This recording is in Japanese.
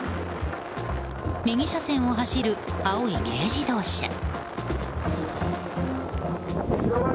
右車線を走る青い軽自動車。